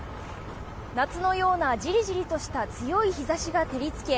夏のような、じりじりとした強い日差しが照り付け